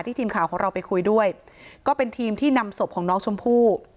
ทีมข่าวของเราไปคุยด้วยก็เป็นทีมที่นำศพของน้องชมพู่